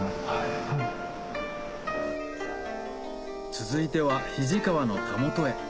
続いては肱川のたもとへ